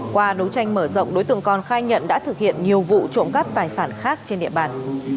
qua đấu tranh mở rộng đối tượng còn khai nhận đã thực hiện nhiều vụ trộm cắp tài sản khác trên địa bàn